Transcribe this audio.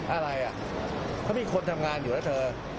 อะไรอ่ะเขามีคนทำงานอยู่แล้วเธอ